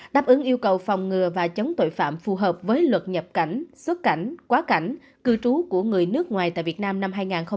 đáp ứng yêu cầu phòng ngừa và chống tội phạm phù hợp với luật nhập cảnh xuất cảnh quá cảnh cư trú của người nước ngoài tại việt nam năm hai nghìn hai mươi ba